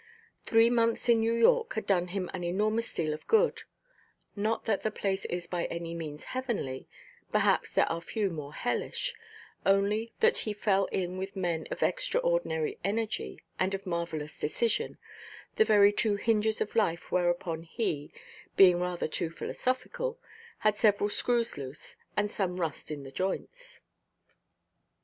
Three months in New York had done him an enormous deal of good; not that the place is by any means heavenly (perhaps there are few more hellish), only that he fell in with men of extraordinary energy and of marvellous decision, the very two hinges of life whereupon he (being rather too "philosophical") had several screws loose, and some rust in the joints.